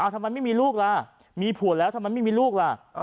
ทำไมไม่มีลูกล่ะมีผัวแล้วทำไมไม่มีลูกล่ะ